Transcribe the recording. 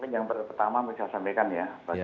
yang pertama saya sampaikan ya